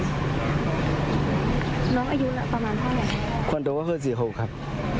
น้องอายุประมาณเท่าไหร่คนโตก็คือสี่หกครับ